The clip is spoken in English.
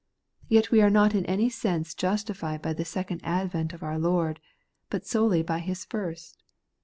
Yet we are not in any sense justified by the second advent of our Lord, but solely by His first.